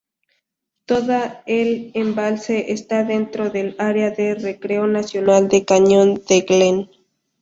Toda el embalse está dentro del Área de recreo nacional del Cañón de Glen.